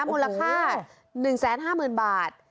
มูลค่า๑๕๐๐๐บาท